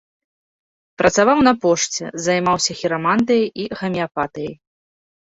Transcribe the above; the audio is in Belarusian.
Працаваў на пошце, займаўся хірамантыяй і гамеапатыяй.